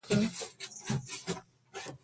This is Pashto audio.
ګاندي دا نظریه په فلسفي بڼه مطرح کړه.